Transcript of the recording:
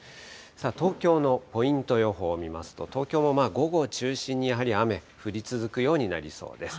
東京のポイント予報を見ますと、東京も午後を中心にやはり雨、降り続くようになりそうです。